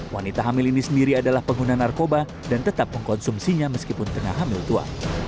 wanita hamil ini sendiri adalah pengguna narkoba dan tetap mengkonsumsinya meskipun tengah hamil tua